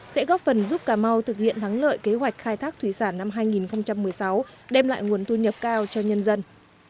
sẽ góp phần giúp cà mau thực hiện thắng lợi kế hoạch khai thác thủy sản năm hai nghìn một mươi sáu đem lại nguồn thu nhập cao cho nhân dân